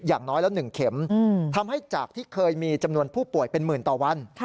อย่างน้อยละ๑เข็มทำให้จากที่เคยมีจำนวนผู้ป่วยเป็นหมื่นต่อวัน